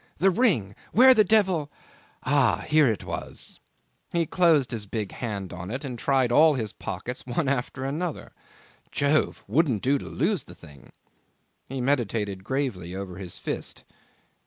The ring! Where the devil ... Ah! Here it was ... He closed his big hand on it, and tried all his pockets one after another. Jove! wouldn't do to lose the thing. He meditated gravely over his fist.